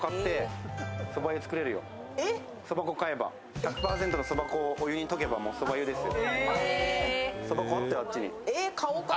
１００％のそば粉をお湯に溶けば、そば粉ですよ。